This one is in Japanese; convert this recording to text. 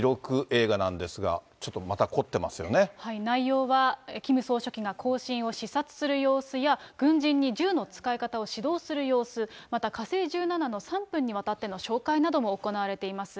映画なんですが、内容は、キム総書記が行進を視察する様子や、軍人に銃の使い方を指導する様子、また火星１７の３分にわたっての紹介なども行われています。